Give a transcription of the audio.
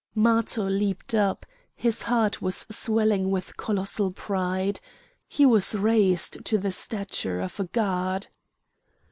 Matho leaped up; his heart was swelling with colossal pride; he was raised to the stature of a god.